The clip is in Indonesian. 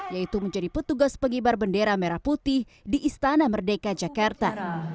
yaitu menjadi petugas pengibar bendera merah putih di istana merdeka jakarta